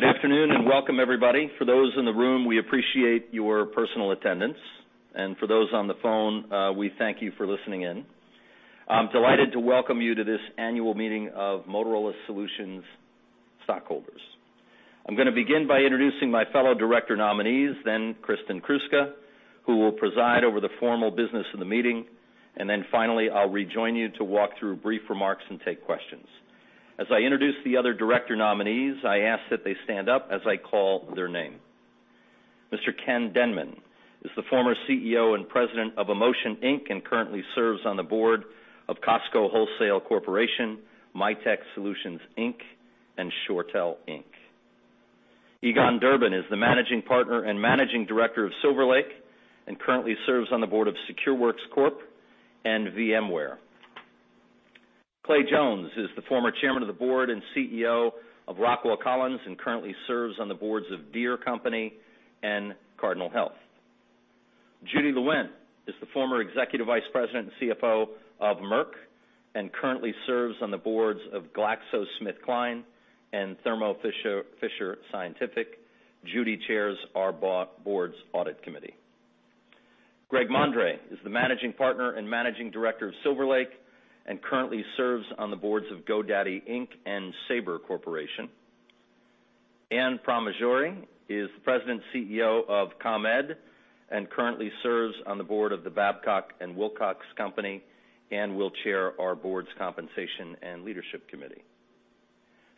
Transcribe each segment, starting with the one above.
Good afternoon, and welcome, everybody. For those in the room, we appreciate your personal attendance, and for those on the phone, we thank you for listening in. I'm delighted to welcome you to this annual meeting of Motorola Solutions stockholders. I'm gonna begin by introducing my fellow director nominees, then Kristin Kruska, who will preside over the formal business of the meeting, and then finally, I'll rejoin you to walk through brief remarks and take questions. As I introduce the other director nominees, I ask that they stand up as I call their name. Mr. Ken Denman is the former CEO and president of Emotient, Inc, and currently serves on the board of Costco Wholesale Corporation, Mitek Systems, Inc, and ShoreTel, Inc. Egon Durban is the managing partner and managing director of Silver Lake, and currently serves on the board of SecureWorks Corp and VMware. Clay Jones is the former chairman of the board and CEO of Rockwell Collins, and currently serves on the boards of Deere & Company and Cardinal Health. Judy Lewent is the former Executive Vice President and CFO of Merck, and currently serves on the boards of GlaxoSmithKline and Thermo Fisher Scientific. Judy chairs our board's Audit Committee. Greg Mondre is the managing partner and managing director of Silver Lake, and currently serves on the boards of GoDaddy Inc and Sabre Corporation. Anne Pramaggiore is the president and CEO of ComEd, and currently serves on the board of the Babcock & Wilcox Company, and will chair our board's Compensation and Leadership Committee.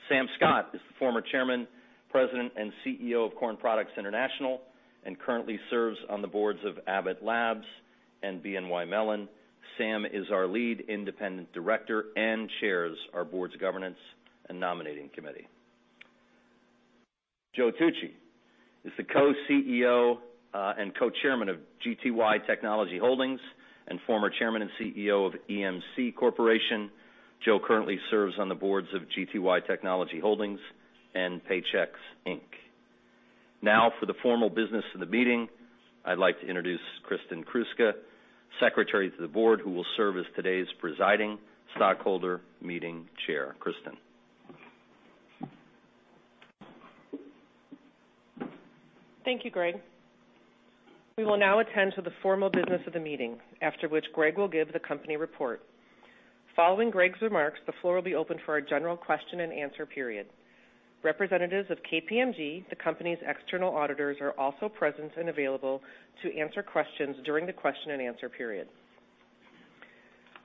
Sam Scott is the former chairman, president, and CEO of Corn Products International, and currently serves on the boards of Abbott Labs and BNY Mellon. Sam is our lead independent director and chairs our board's Governance and Nominating Committee. Joe Tucci is the co-CEO and co-chairman of GTY Technology Holdings, and former chairman and CEO of EMC Corporation. Joe currently serves on the boards of GTY Technology Holdings and Paychex Inc. Now, for the formal business of the meeting, I'd like to introduce Kristin Kruska, secretary to the board, who will serve as today's presiding stockholder meeting chair. Kristin? Thank you, Greg. We will now attend to the formal business of the meeting, after which Greg will give the company report. Following Greg's remarks, the floor will be open for a general question-and-answer period. Representatives of KPMG, the company's external auditors, are also present and available to answer questions during the question-and-answer period.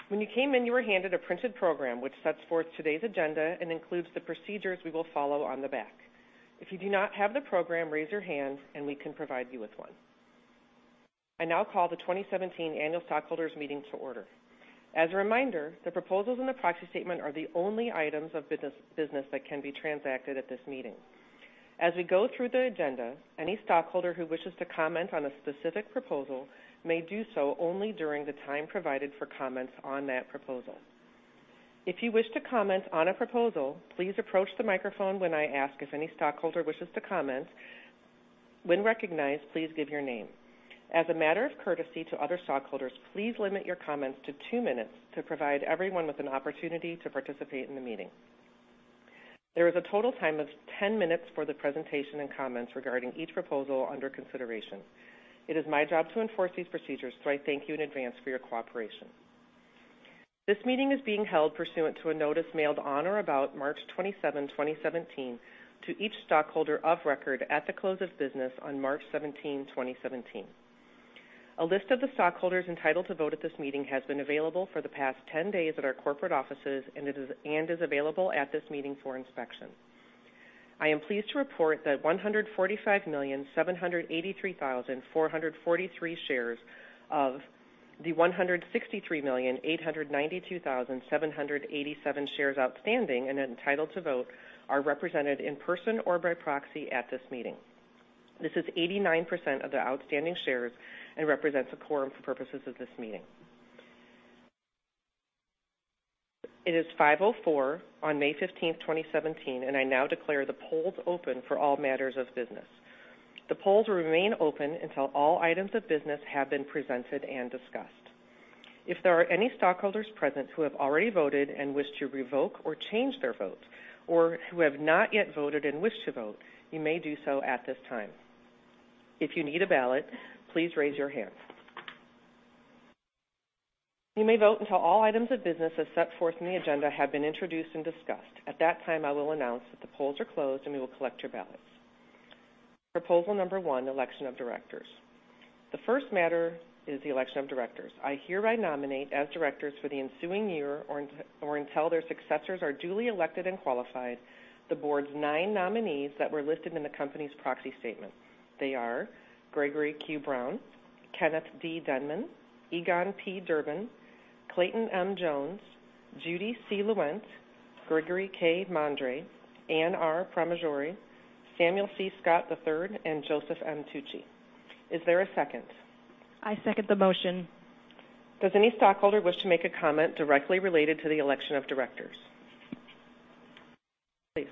When you came in, you were handed a printed program, which sets forth today's agenda and includes the procedures we will follow on the back. If you do not have the program, raise your hand, and we can provide you with one. I now call the 2017 Annual Stockholders Meeting to order. As a reminder, the proposals in the proxy statement are the only items of business, business that can be transacted at this meeting. As we go through the agenda, any stockholder who wishes to comment on a specific proposal may do so only during the time provided for comments on that proposal. If you wish to comment on a proposal, please approach the microphone when I ask if any stockholder wishes to comment. When recognized, please give your name. As a matter of courtesy to other stockholders, please limit your comments to two minutes to provide everyone with an opportunity to participate in the meeting. There is a total time of 10 minutes for the presentation and comments regarding each proposal under consideration. It is my job to enforce these procedures, so I thank you in advance for your cooperation. This meeting is being held pursuant to a notice mailed on or about March 27, 2017, to each stockholder of record at the close of business on March 17, 2017. A list of the stockholders entitled to vote at this meeting has been available for the past 10 days at our corporate offices, and it is available at this meeting for inspection. I am pleased to report that 145,783,443 shares of the 163,892,787 shares outstanding and entitled to vote are represented in person or by proxy at this meeting. This is 89% of the outstanding shares and represents a quorum for purposes of this meeting. It is 5:04 P.M. on May 15th, 2017, and I now declare the polls open for all matters of business. The polls will remain open until all items of business have been presented and discussed. If there are any stockholders present who have already voted and wish to revoke or change their vote, or who have not yet voted and wish to vote, you may do so at this time. If you need a ballot, please raise your hand. You may vote until all items of business as set forth in the agenda have been introduced and discussed. At that time, I will announce that the polls are closed, and we will collect your ballots. Proposal number one: election of directors. The first matter is the election of directors. I hereby nominate as directors for the ensuing year, or until their successors are duly elected and qualified, the board's nine nominees that were listed in the company's proxy statement. They are Gregory Q. Brown, Kenneth D. Denman, Egon P. Durban, Clayton M. Jones, Judy C. Lewent, Gregory K. Mondre, Anne R. Pramaggiore, Samuel C. Scott III, and Joseph M. Tucci. Is there a second? I second the motion. Does any stockholder wish to make a comment directly related to the election of directors? Please. ...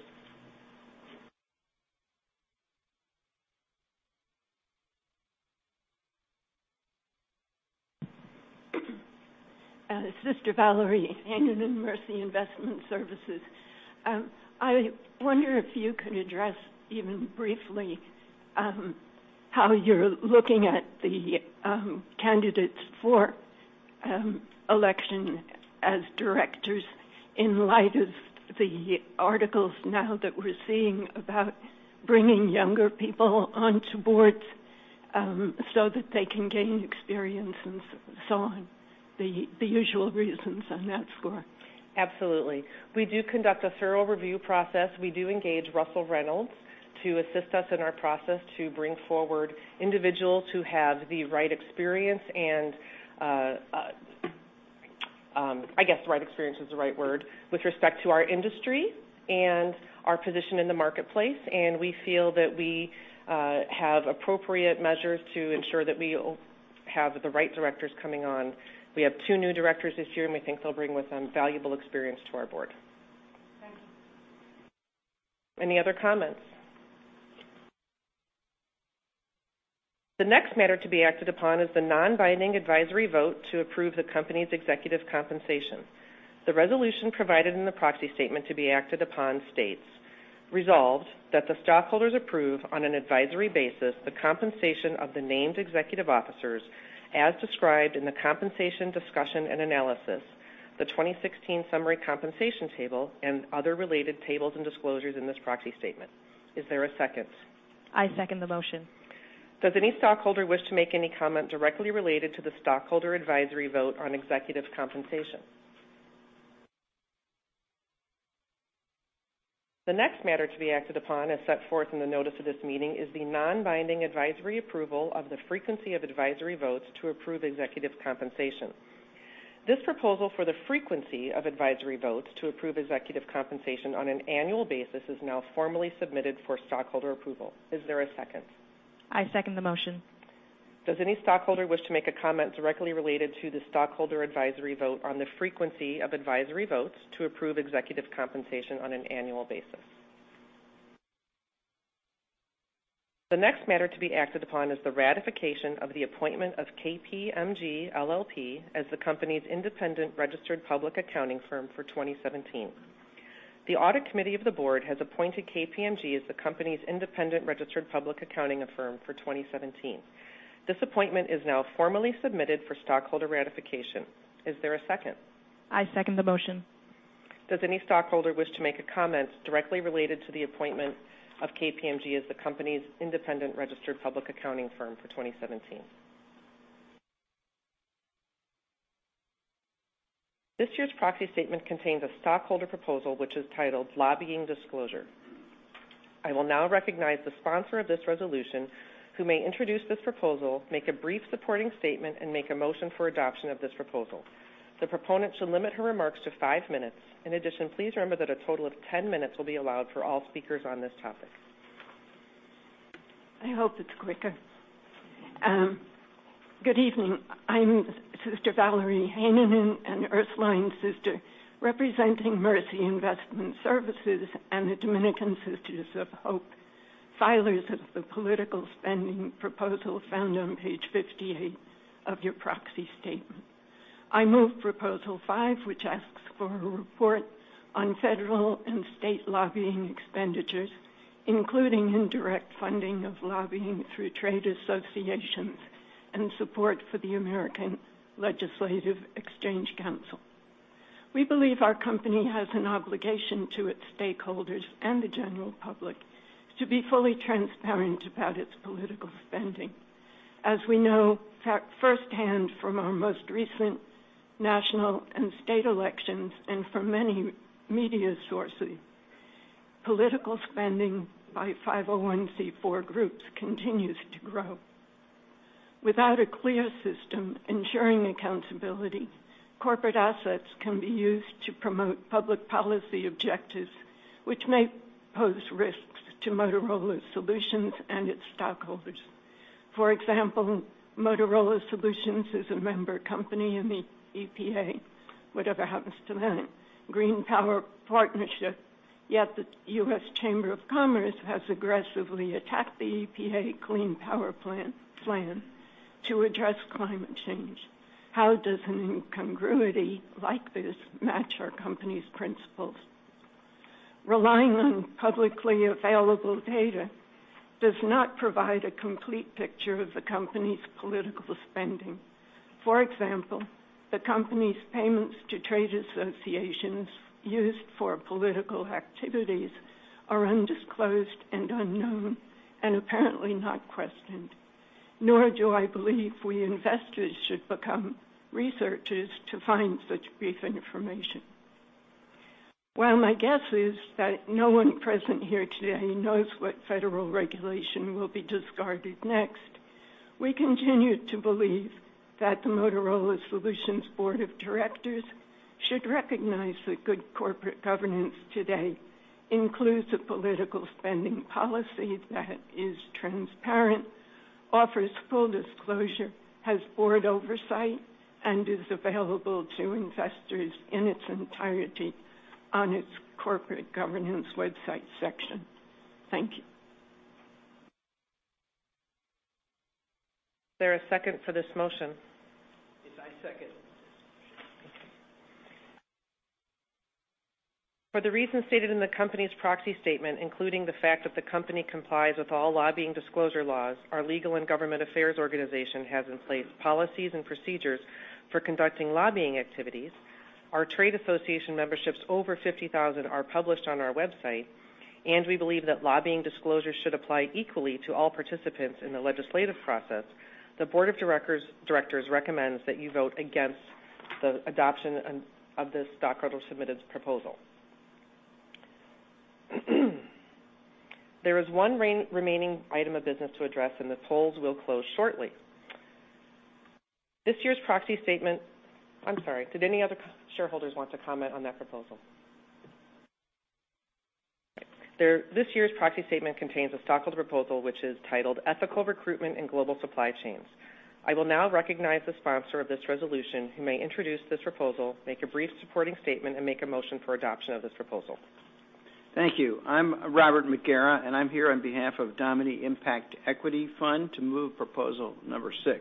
Sister Valerie Heinonen, Mercy Investment Services. I wonder if you can address even briefly how you're looking at the candidates for election as directors in light of the articles now that we're seeing about bringing younger people onto boards so that they can gain experience and so on, the usual reasons on that score? Absolutely. We do conduct a thorough review process. We do engage Russell Reynolds to assist us in our process to bring forward individuals who have the right experience and, I guess the right experience is the right word with respect to our industry and our position in the marketplace, and we feel that we have appropriate measures to ensure that we have the right directors coming on. We have two new directors this year, and we think they'll bring with them valuable experience to our board. Thank you. Any other comments? The next matter to be acted upon is the non-binding advisory vote to approve the company's executive compensation. The resolution provided in the proxy statement to be acted upon states: Resolved, that the stockholders approve on an advisory basis, the compensation of the named executive officers as described in the compensation discussion and analysis, the 2016 summary compensation table, and other related tables and disclosures in this proxy statement. Is there a second? I second the motion. Does any stockholder wish to make any comment directly related to the stockholder advisory vote on executive compensation? The next matter to be acted upon, as set forth in the notice of this meeting, is the non-binding advisory approval of the frequency of advisory votes to approve executive compensation. This proposal for the frequency of advisory votes to approve executive compensation on an annual basis is now formally submitted for stockholder approval. Is there a second? I second the motion. Does any stockholder wish to make a comment directly related to the stockholder advisory vote on the frequency of advisory votes to approve executive compensation on an annual basis? The next matter to be acted upon is the ratification of the appointment of KPMG LLP as the company's independent registered public accounting firm for 2017. The audit committee of the board has appointed KPMG as the company's independent registered public accounting firm for 2017. This appointment is now formally submitted for stockholder ratification. Is there a second? I second the motion. Does any stockholder wish to make a comment directly related to the appointment of KPMG as the company's independent registered public accounting firm for 2017? This year's proxy statement contains a stockholder proposal which is titled Lobbying Disclosure. I will now recognize the sponsor of this resolution, who may introduce this proposal, make a brief supporting statement, and make a motion for adoption of this proposal. The proponent should limit her remarks to five minutes. In addition, please remember that a total of 10 minutes will be allowed for all speakers on this topic. I hope it's quicker. Good evening. I'm Sister Valerie Heinonen, an Ursuline sister, representing Mercy Investment Services and the Dominican Sisters of Hope, filers of the political spending proposal found on Page 58 of your proxy statement. I move Proposal 5, which asks for a report on federal and state lobbying expenditures, including indirect funding of lobbying through trade associations and support for the American Legislative Exchange Council. We believe our company has an obligation to its stakeholders and the general public to be fully transparent about its political spending. As we know firsthand from our most recent national and state elections, and from many media sources, political spending by 501(c)(4) groups continues to grow. Without a clear system ensuring accountability, corporate assets can be used to promote public policy objectives, which may pose risks to Motorola Solutions and its stockholders. For example, Motorola Solutions is a member company in the EPA, whatever happens to that, Green Power Partnership. Yet the U.S. Chamber of Commerce has aggressively attacked the EPA Clean Power Plan, Plan to address climate change. How does an incongruity like this match our company's principles? Relying on publicly available data does not provide a complete picture of the company's political spending. For example, the company's payments to trade associations used for political activities are undisclosed and unknown and apparently not questioned. Nor do I believe we investors should become researchers to find such brief information. While my guess is that no one present here today knows what federal regulation will be discarded next, we continue to believe that the Motorola Solutions Board of Directors should recognize that good corporate governance today includes a political spending policy that is transparent, offers full disclosure, has board oversight, and is available to investors in its entirety on its corporate governance website section. Thank you.... Is there a second for this motion? Yes, I second. For the reasons stated in the company's proxy statement, including the fact that the company complies with all lobbying disclosure laws, our legal and government affairs organization has in place policies and procedures for conducting lobbying activities. Our trade association memberships over $50,000 are published on our website, and we believe that lobbying disclosure should apply equally to all participants in the legislative process. The board of directors recommends that you vote against the adoption of this stockholder-submitted proposal. There is one remaining item of business to address, and the polls will close shortly. This year's proxy statement—I'm sorry, did any other shareholders want to comment on that proposal? There, this year's proxy statement contains a stockholder proposal, which is titled Ethical Recruitment in Global Supply Chains. I will now recognize the sponsor of this resolution, who may introduce this proposal, make a brief supporting statement, and make a motion for adoption of this proposal. Thank you. I'm Robert McGarrah, and I'm here on behalf of Domini Impact Equity Fund to move proposal number six.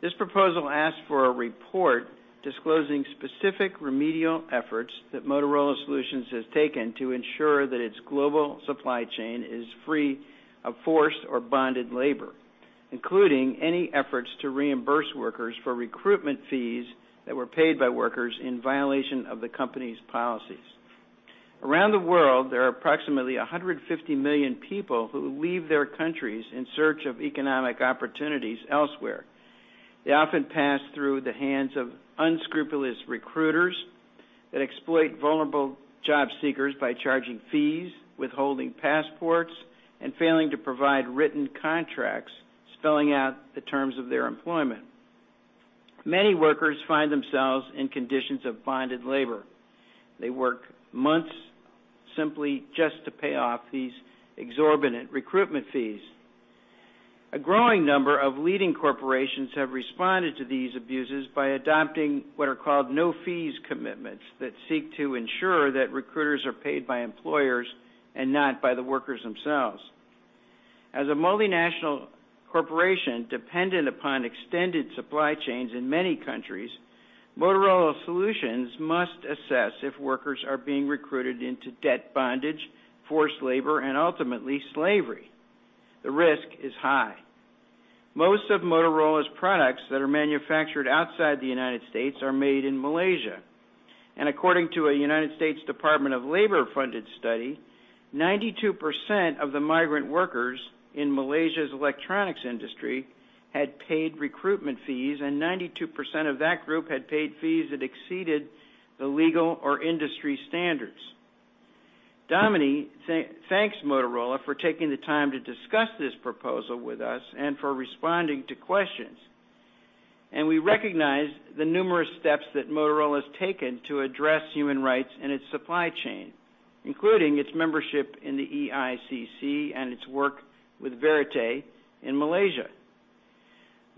This proposal asks for a report disclosing specific remedial efforts that Motorola Solutions has taken to ensure that its global supply chain is free of forced or bonded labor, including any efforts to reimburse workers for recruitment fees that were paid by workers in violation of the company's policies. Around the world, there are approximately 150 million people who leave their countries in search of economic opportunities elsewhere. They often pass through the hands of unscrupulous recruiters that exploit vulnerable job seekers by charging fees, withholding passports, and failing to provide written contracts spelling out the terms of their employment. Many workers find themselves in conditions of bonded labor. They work months simply just to pay off these exorbitant recruitment fees. A growing number of leading corporations have responded to these abuses by adopting what are called no-fees commitments that seek to ensure that recruiters are paid by employers and not by the workers themselves. As a multinational corporation dependent upon extended supply chains in many countries, Motorola Solutions must assess if workers are being recruited into debt bondage, forced labor, and ultimately slavery. The risk is high. Most of Motorola's products that are manufactured outside the United States are made in Malaysia, and according to a United States Department of Labor-funded study, 92% of the migrant workers in Malaysia's electronics industry had paid recruitment fees, and 92% of that group had paid fees that exceeded the legal or industry standards. Domini thanks Motorola for taking the time to discuss this proposal with us and for responding to questions. We recognize the numerous steps that Motorola has taken to address human rights in its supply chain, including its membership in the EICC and its work with Verité in Malaysia.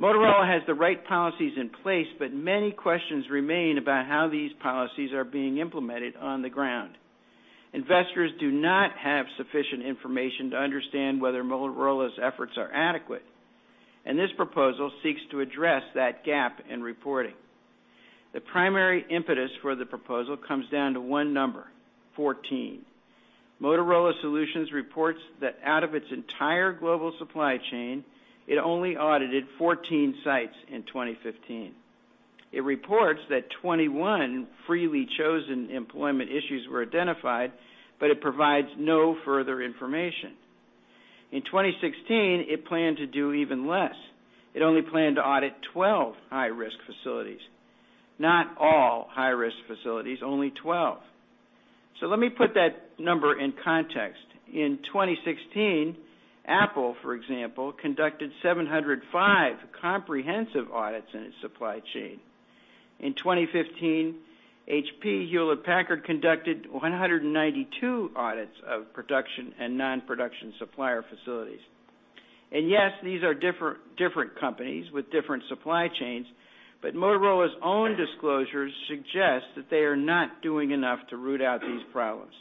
Motorola has the right policies in place, but many questions remain about how these policies are being implemented on the ground. Investors do not have sufficient information to understand whether Motorola's efforts are adequate, and this proposal seeks to address that gap in reporting. The primary impetus for the proposal comes down to one number, 14. Motorola Solutions reports that out of its entire global supply chain, it only audited 14 sites in 2015. It reports that 21 freely chosen employment issues were identified, but it provides no further information. In 2016, it planned to do even less. It only planned to audit 12 high-risk facilities. Not all high-risk facilities, only 12. So let me put that number in context. In 2016, Apple, for example, conducted 705 comprehensive audits in its supply chain. In 2015, HP, Hewlett-Packard, conducted 192 audits of production and non-production supplier facilities. And yes, these are different companies with different supply chains, but Motorola's own disclosures suggest that they are not doing enough to root out these problems.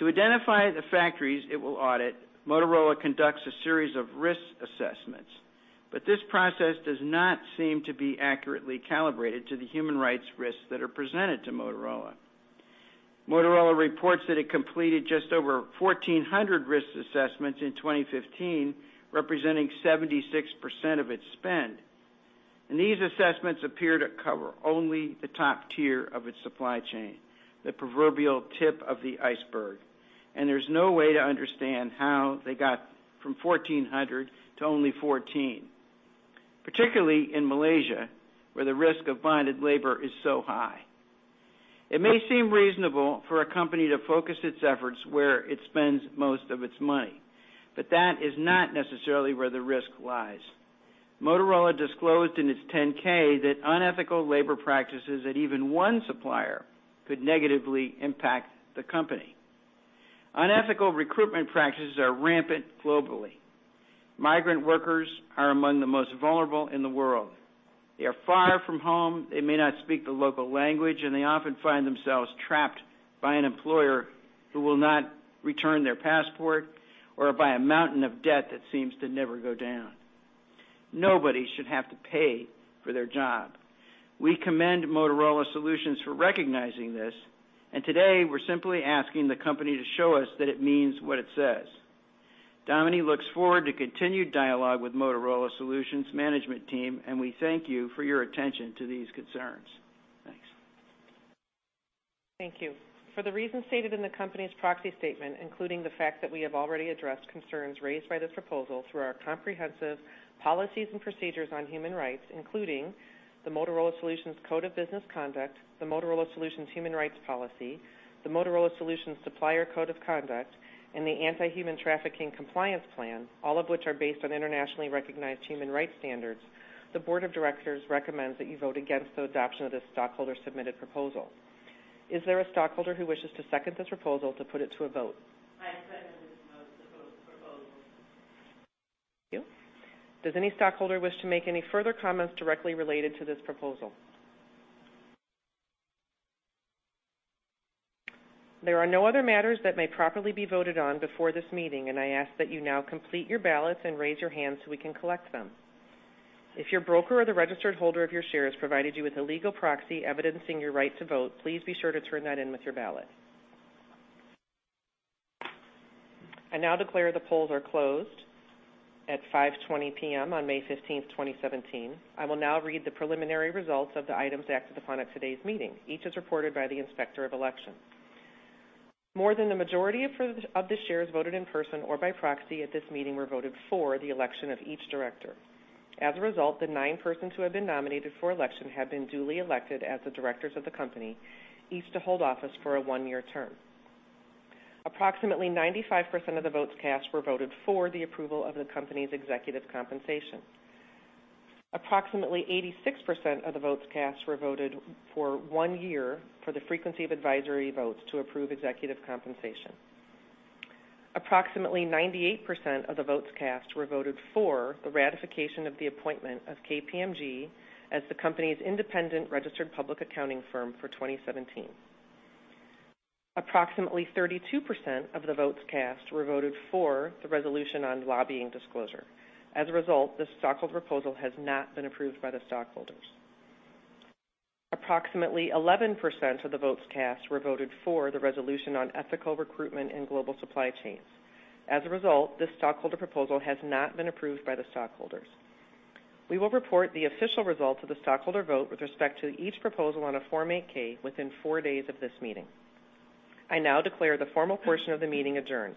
To identify the factories it will audit, Motorola conducts a series of risk assessments, but this process does not seem to be accurately calibrated to the human rights risks that are presented to Motorola. Motorola reports that it completed just over 1,400 risk assessments in 2015, representing 76% of its spend, and these assessments appear to cover only the top tier of its supply chain, the proverbial tip of the iceberg. There's no way to understand how they got from 1,400 to only 14, particularly in Malaysia, where the risk of bonded labor is so high. It may seem reasonable for a company to focus its efforts where it spends most of its money, but that is not necessarily where the risk lies. Motorola disclosed in its 10-K that unethical labor practices at even one supplier could negatively impact the company. Unethical recruitment practices are rampant globally. Migrant workers are among the most vulnerable in the world.... They are far from home, they may not speak the local language, and they often find themselves trapped by an employer who will not return their passport or by a mountain of debt that seems to never go down. Nobody should have to pay for their job. We commend Motorola Solutions for recognizing this, and today we're simply asking the company to show us that it means what it says. Domini looks forward to continued dialogue with Motorola Solutions' management team, and we thank you for your attention to these concerns. Thanks. Thank you. For the reasons stated in the company's proxy statement, including the fact that we have already addressed concerns raised by this proposal through our comprehensive policies and procedures on human rights, including the Motorola Solutions Code of Business Conduct, the Motorola Solutions Human Rights Policy, the Motorola Solutions Supplier Code of Conduct, and the Anti-Human Trafficking Compliance Plan, all of which are based on internationally recognized human rights standards, the board of directors recommends that you vote against the adoption of this stockholder-submitted proposal. Is there a stockholder who wishes to second this proposal to put it to a vote? I second this proposal. Thank you. Does any stockholder wish to make any further comments directly related to this proposal? There are no other matters that may properly be voted on before this meeting, and I ask that you now complete your ballots and raise your hands, so we can collect them. If your broker or the registered holder of your shares provided you with a legal proxy evidencing your right to vote, please be sure to turn that in with your ballot. I now declare the polls are closed at 5:20 P.M. on May 15, 2017. I will now read the preliminary results of the items acted upon at today's meeting, each as reported by the Inspector of Election. More than the majority of for, of the shares voted in person or by proxy at this meeting were voted for the election of each director. As a result, the nine persons who have been nominated for election have been duly elected as the directors of the company, each to hold office for a one-year term. Approximately 95% of the votes cast were voted for the approval of the company's executive compensation. Approximately 86% of the votes cast were voted for one year for the frequency of advisory votes to approve executive compensation. Approximately 98% of the votes cast were voted for the ratification of the appointment of KPMG as the company's independent registered public accounting firm for 2017. Approximately 32% of the votes cast were voted for the resolution on lobbying disclosure. As a result, this stockholder proposal has not been approved by the stockholders. Approximately 11% of the votes cast were voted for the resolution on ethical recruitment in global supply chains. As a result, this stockholder proposal has not been approved by the stockholders. We will report the official results of the stockholder vote with respect to each proposal on a Form 8-K within four days of this meeting. I now declare the formal portion of the meeting adjourned.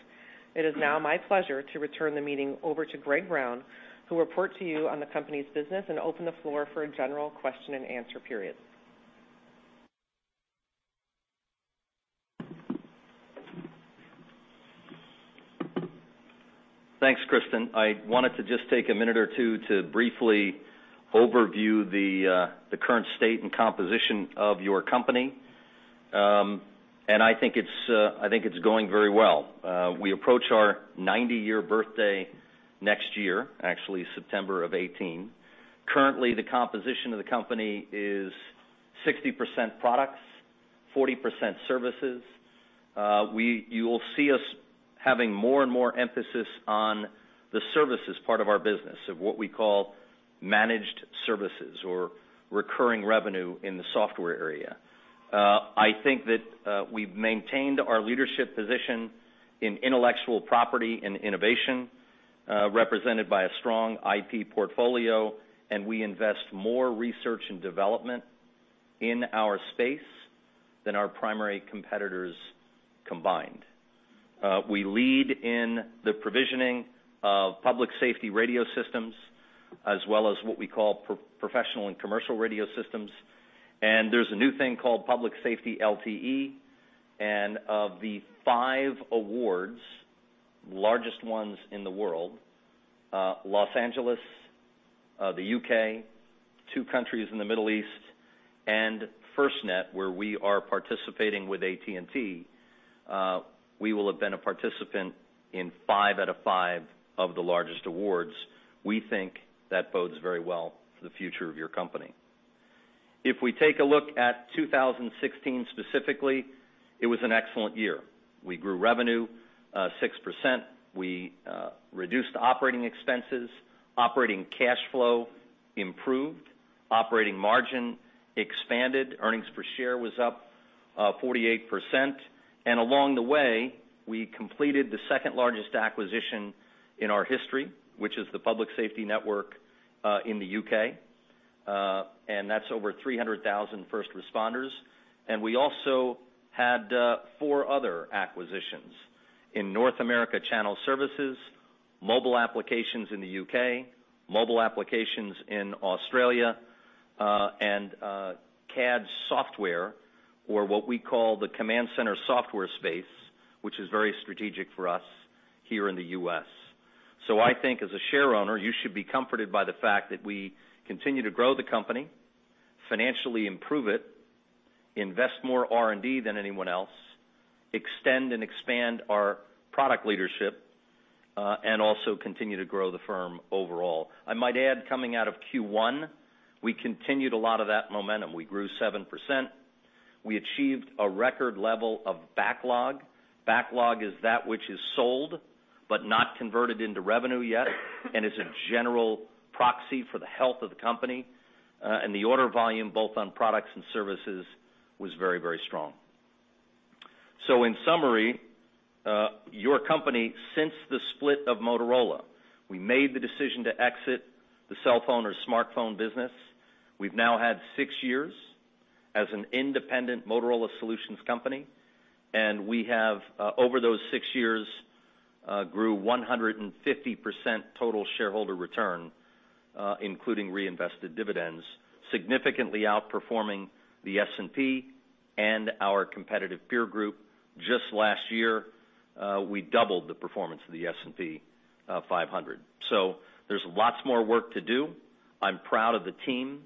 It is now my pleasure to return the meeting over to Greg Brown, who will report to you on the company's business and open the floor for a general question-and-answer period. Thanks, Kristin. I wanted to just take a minute or two to briefly overview the current state and composition of your company. I think it's going very well. We approach our 90-year birthday next year, actually, September of 2018. Currently, the composition of the company is 60% products, 40% services. You will see us having more and more emphasis on the services part of our business, of what we call managed services or recurring revenue in the software area. I think that we've maintained our leadership position in intellectual property and innovation, represented by a strong IP portfolio, and we invest more research and development in our space than our primary competitors combined. We lead in the provisioning of public safety radio systems, as well as what we call professional and commercial radio systems. And there's a new thing called public safety LTE, and of the five awards, largest ones in the world, Los Angeles, the U.K., two countries in the Middle East, and FirstNet, where we are participating with AT&T, we will have been a participant in five out of five of the largest awards. We think that bodes very well for the future of your company. If we take a look at 2016 specifically, it was an excellent year. We grew revenue 6%. We reduced operating expenses. Operating cash flow improved. Operating margin expanded. Earnings per share was up 48%, and along the way, we completed the second-largest acquisition in our history, which is the public safety network in the U.K., and that's over 300,000 first responders. And we also had four other acquisitions: in North America channel services, mobile applications in the U.K., mobile applications in Australia, and CAD software, or what we call the command center software space, which is very strategic for us here in the U.S. So I think, as a shareowner, you should be comforted by the fact that we continue to grow the company financially improve it, invest more R&D than anyone else, extend and expand our product leadership, and also continue to grow the firm overall. I might add, coming out of Q1, we continued a lot of that momentum. We grew 7%. We achieved a record level of backlog. Backlog is that which is sold, but not converted into revenue yet, and is a general proxy for the health of the company. The order volume, both on products and services, was very, very strong. So in summary, your company, since the split of Motorola, we made the decision to exit the cell phone or smartphone business. We've now had six years as an independent Motorola Solutions company, and we have, over those six years, grew 150% total shareholder return, including reinvested dividends, significantly outperforming the S&P and our competitive peer group. Just last year, we doubled the performance of the S&P 500. So there's lots more work to do. I'm proud of the team,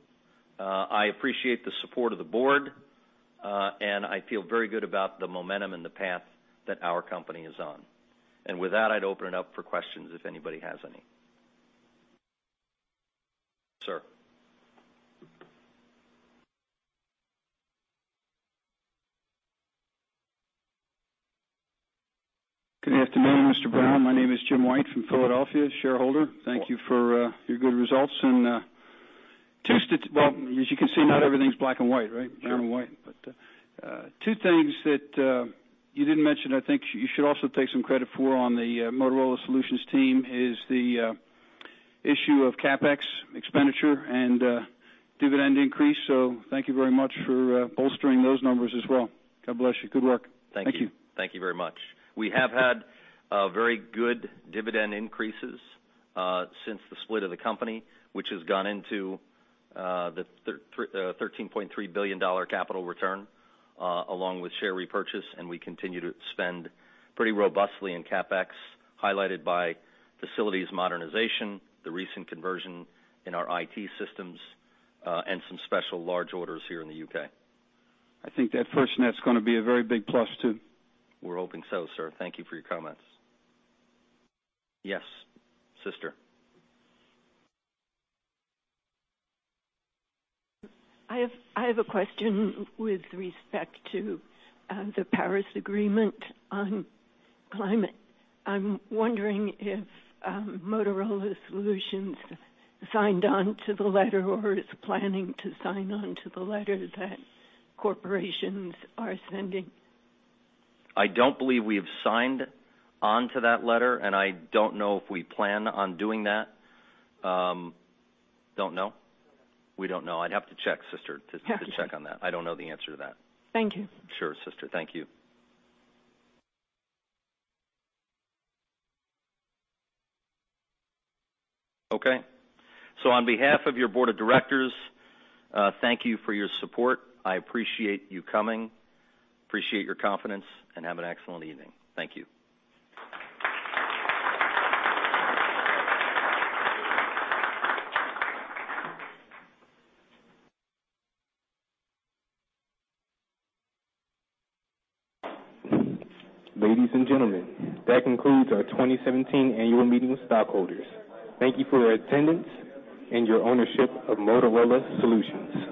I appreciate the support of the board, and I feel very good about the momentum and the path that our company is on. With that, I'd open it up for questions, if anybody has any. Sir? Good afternoon, Mr. Brown. My name is Jim White from Philadelphia, shareholder. Thank you for your good results. Well, as you can see, not everything's black and white, right? Sure. But, two things that you didn't mention, I think you should also take some credit for on the Motorola Solutions team, is the issue of CapEx expenditure and dividend increase. So thank you very much for bolstering those numbers as well. God bless you. Good work. Thank you. Thank you. Thank you very much. We have had very good dividend increases since the split of the company, which has gone into the $13.3 billion capital return, along with share repurchase, and we continue to spend pretty robustly in CapEx, highlighted by facilities modernization, the recent conversion in our IT systems, and some special large orders here in the U.K. I think that FirstNet's gonna be a very big plus, too. We're hoping so, sir. Thank you for your comments. Yes, sister. I have, I have a question with respect to, the Paris Agreement on Climate. I'm wondering if, Motorola Solutions signed on to the letter or is planning to sign on to the letter that corporations are sending? I don't believe we have signed on to that letter, and I don't know if we plan on doing that. I'd have to check, sister, to- Okay. - to check on that. I don't know the answer to that. Thank you. Sure, sister. Thank you. Okay. So on behalf of your board of directors, thank you for your support. I appreciate you coming, appreciate your confidence, and have an excellent evening. Thank you. Ladies and gentlemen, that concludes our 2017 Annual Meeting of Stockholders. Thank you for your attendance and your ownership of Motorola Solutions.